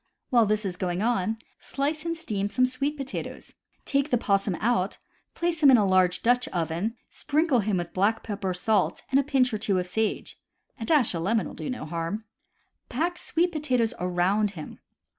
While this is going on, slice and steam some sweet potatoes. Take the possum out, place him in a large Dutch oven, sprinkle him with black pepper, salt, and a pinch or two of sage. A dash of lemon will do no harm. Pack sweet potatoes around him.